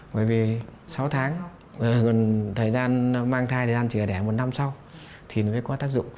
bởi vì sáu tháng gần thời gian mang thai thời gian chỉ ở đẻ một năm sau thì nó mới có tác dụng